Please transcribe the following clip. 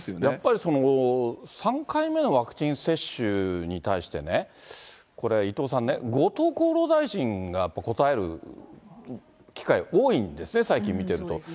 やっぱり、３回目のワクチン接種に対して、これ、伊藤さんね、後藤厚労大臣がやっぱり答える機会が多いんですね、最近見てると。